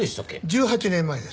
１８年前です。